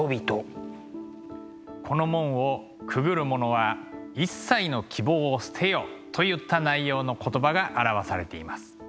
「この門をくぐる者は一切の希望を捨てよ」といった内容の言葉が表されています。